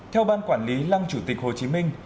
theo ban quản lý lăng chủ tịch hồ chí minh